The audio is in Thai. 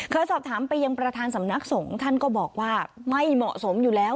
สอบถามไปยังประธานสำนักสงฆ์ท่านก็บอกว่าไม่เหมาะสมอยู่แล้ว